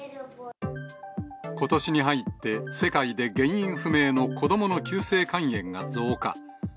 ことしに入って世界で原因不明の子どもの急性肝炎が増加。